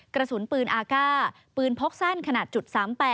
กระสุนปืนอากาศปืนพกสั้นขนาด๓๘